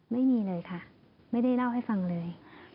ไม่มีเลยค่ะไม่ได้เล่าให้ฟังเลย